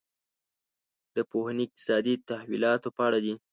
دا پوهنې اقتصادي تحولاتو په اړه دي.